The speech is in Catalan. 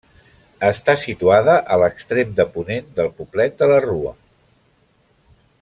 Està situada a l'extrem de ponent del poblet de la Rua.